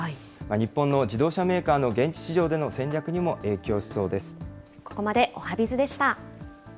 日本の自動車メーカーの現地市場での戦略にも影響しそうです。